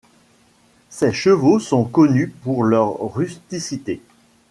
Ces chevaux sont connus pour leur rusticité.